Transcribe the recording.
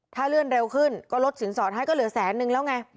ถ้าเลื่อนเร็วขึ้นก็ลดสินสอดให้ก็เหลือแสนนึงแล้วไง